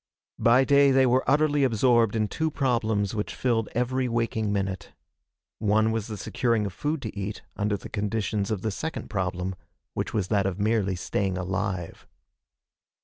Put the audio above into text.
By day they were utterly absorbed in two problems which filled every waking minute. One was the securing of food to eat, under the conditions of the second problem, which was that of merely staying alive.